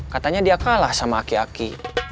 katanya dia kalah sama aki aki